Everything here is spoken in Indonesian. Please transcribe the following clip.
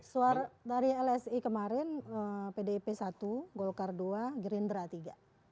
suara dari lsi kemarin pdip satu golkar dua gerindra tiga